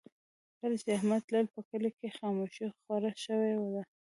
کله چې احمد تللی، په کلي کې خاموشي خوره شوې ده.